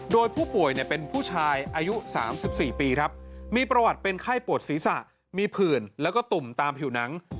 โดยผู้ป่วยเป็นผู้ชายอายุ๓๔ปีครับมีประวัติเป็นไข้ปวดศีรษะมีผื่นแล้วก็ตุ่มตามผิวหนัง